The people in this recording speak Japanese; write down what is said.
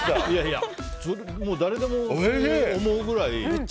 誰でも思うぐらい。